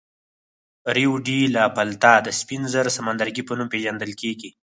ریو ډي لا پلاتا د سپین زر سمندرګي په نوم پېژندل کېږي.